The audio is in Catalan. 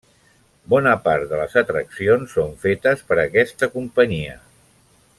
Bona part de les atraccions són fetes per aquesta companyia.